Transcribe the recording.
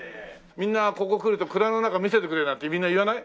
みんなここ来ると蔵の中見せてくれなんてみんな言わない？